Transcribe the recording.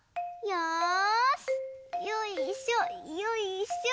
よいしょよいしょ。